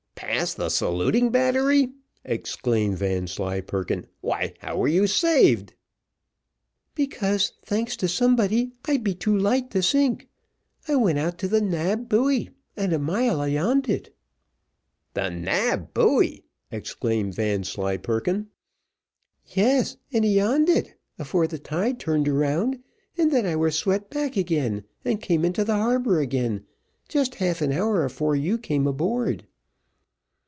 "Past the saluting battery?" exclaimed Vanslyperken, "why, how were you saved?" "Because, thanks to somebody, I be too light to sink. I went out to the Nab buoy, and a mile ayond it." "The Nab buoy!" exclaimed Vanslyperken. "Yes, and ayond it, afore the tide turned, and then I were swept back again, and came into harbour again, just half an hour afore you come aboard."